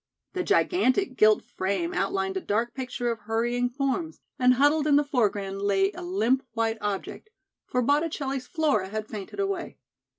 The gigantic gilt frame outlined a dark picture of hurrying forms, and huddled in the foreground lay a limp white object, for Botticelli's "Flora" had fainted away.